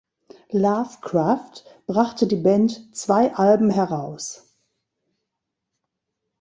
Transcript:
Lovecraft brachte die Band zwei Alben heraus.